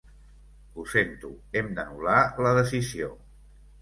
Ho sento, hem d'anul·lar la decisió.